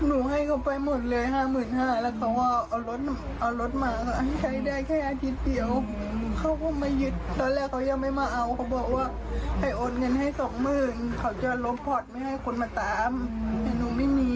หนูให้เขาไปหมดเลยห้าหมื่นห้าแล้วเขาก็เอารถเอารถมาให้ใช้ได้แค่อาทิตย์เดียวเขาก็มายึดตอนแรกเขายังไม่มาเอาเขาบอกว่าให้โอนเงินให้สองหมื่นเขาจะลบพอร์ตไม่ให้คนมาตามแต่หนูไม่มี